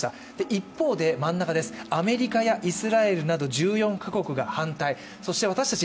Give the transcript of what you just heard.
一方で真ん中、アメリカやイスラエルなど１４か国が反対、そして私たち